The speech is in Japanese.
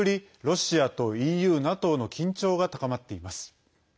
ロシアとＥＵ、ＮＡＴＯの緊張が高まっています。